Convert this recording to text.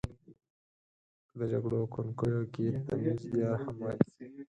که د جګړو کونکیو کې تمیز یا رحم وای.